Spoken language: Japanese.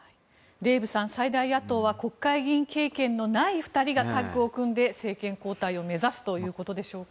デーブさん、最大野党は国会議員経験のない２人がタッグを組んで政権交代を目指すということでしょうか。